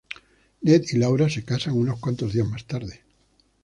Ned y Laura se casan unos cuantos días más tarde.